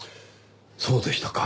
そうでしたか。